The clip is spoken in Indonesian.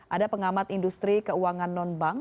ada pengamat industri keuangan non bank